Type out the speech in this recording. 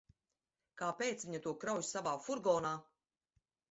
Kāpēc viņa to krauj savā furgonā?